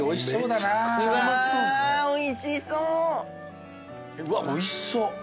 うわおいしそう。